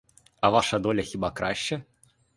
А ваша доля хіба краща?